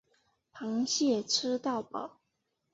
螃蟹吃到饱